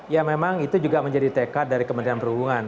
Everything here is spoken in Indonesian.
ya memang itu juga menjadi tekad dari kementerian perhubungan